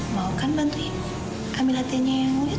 mau kan bantuin ambil hatinya ayang uyut